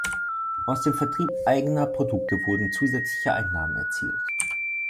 Aus dem Vertrieb eigener Produkte wurden zusätzliche Einnahmen erzielt.